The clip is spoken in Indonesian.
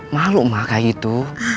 malu mah kayak gitu